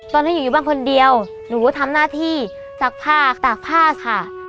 ตอนนี้หนูอยู่บ้านคนเดียวหนูทำหน้าที่ตักผ้าตากผ้าค่ะ